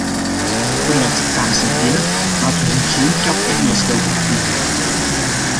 Vooruit, dames en heren, laten we hier geen kat-en-muisspel opvoeren.